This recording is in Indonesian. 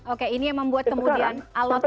oke ini yang membuat kemudian alok ya